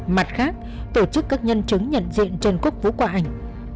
mặt khác tổ chức các nhân chứng nhận diện trên quốc vũ qua ảnh